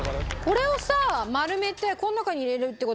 これをさ丸めてこの中に入れるって事ですよね？